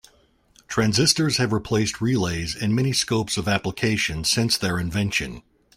Transistors have replaced relays in many scopes of application since their invention.